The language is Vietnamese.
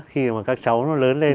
khi mà các cháu nó lớn lên